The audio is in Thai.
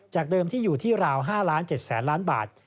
เดิมที่อยู่ที่ราว๕๗๐๐๐ล้านบาท